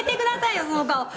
よその顔！」